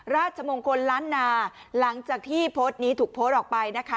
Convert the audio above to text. ราชมงคลล้านนาหลังจากที่โพสต์นี้ถูกโพสต์ออกไปนะคะ